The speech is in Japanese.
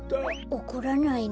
おこらないの？